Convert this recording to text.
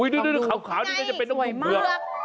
ดูขาวนี่ก็จะเป็นต้องดูเบื้อ